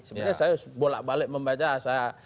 sebenarnya saya bolak balik membaca saya